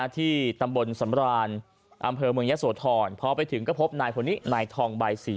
ที่ตำบลสำรานอำเภอเมืองยะโสธรพอไปถึงก็พบนายคนนี้นายทองใบศรี